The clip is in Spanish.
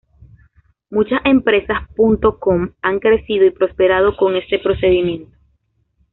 Muchas "empresas punto com" han crecido y prosperado con este procedimiento.